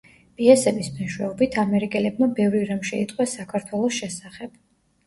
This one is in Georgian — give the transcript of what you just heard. პიესების მეშვეობით, ამერიკელებმა ბევრი რამ შეიტყვეს საქართველოს შესახებ.